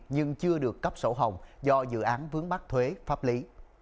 nhưng chưa được cấp sổ hồng do dự án vướng bắt thuế pháp lý